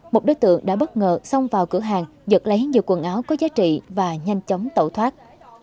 một đối tượng đã bất ngờ xông vào cửa hàng giật lấy nhiều quần áo có giá trị và nhanh chóng tẩu thoát